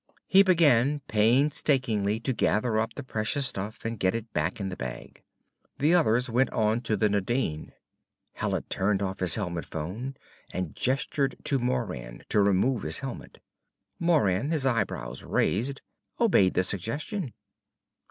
He began painstakingly to gather up the precious stuff and get it back in the bag. The others went on to the Nadine. Hallet turned off his helmet phone and gestured to Moran to remove his helmet. Moran, his eyebrows raised, obeyed the suggestion.